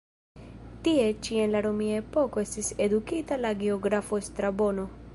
Tie ĉi en la romia epoko estis edukita la geografo Strabono.